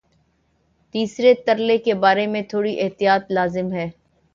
تیسرے ترلے کے بارے میں تھوڑی احتیاط لازم ہے۔